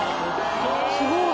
すごい！